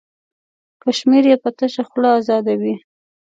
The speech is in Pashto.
کشمیر یې په تشه خوله ازادوي.